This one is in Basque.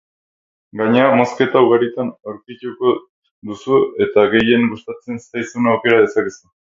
Gainera, mozketa ugaritan aurkituko duzu eta gehien gustatzen zaizuna aukera dezakezu.